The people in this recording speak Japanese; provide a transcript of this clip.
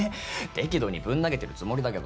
適度にぶん投げてるつもりだけど。